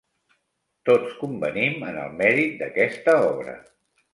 Tots convenim en el mèrit d'aquesta obra.